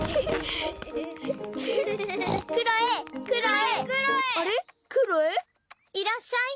いらっしゃい。